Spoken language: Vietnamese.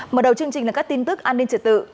mở đầu chương trình là các tin tức an ninh trật tự